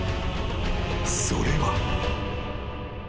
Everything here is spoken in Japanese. ［それは］